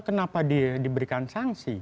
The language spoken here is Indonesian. kenapa diberikan sangsi